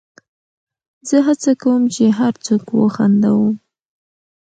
زه هڅه کوم، چي هر څوک وخندوم.